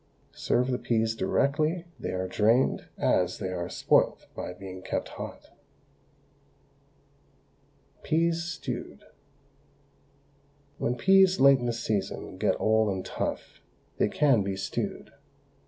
Serve the peas directly they are drained, as they are spoilt by being kept hot. PEAS, STEWED. When peas late in the season get old and tough, they can be stewed.